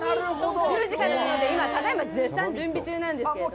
１０時からなので、ただいま、絶賛準備中なんですけど。